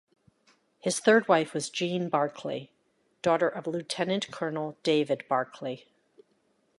His third wife was Jean Barclay, daughter of Lieutenant-Colonel David Barclay.